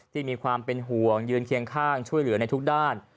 ที่มีความเป็นห่วงยืนเคียงข้างช่วยเหลือในทุกด้าน